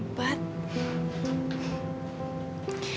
sebenernya kakek dan nenekmu